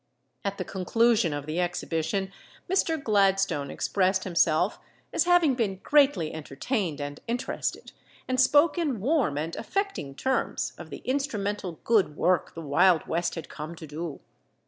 At the conclusion of the exhibition Mr. Gladstone expressed himself as having been greatly entertained and interested, and spoke in warm and affecting terms of the instrumental good work the Wild West had come to do.